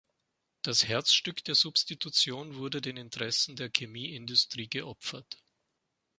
Das Herzstück der Substitution wurde den Interessen der Chemieindustrie geopfert.